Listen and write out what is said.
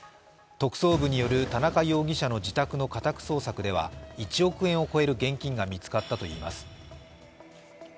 特捜部による田中容疑者の自宅の家宅捜索では１億円を超える現金が見つかったといいます。